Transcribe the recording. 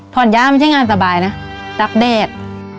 ท่อนย้าไม่ใช่งานสบายนะตักเดช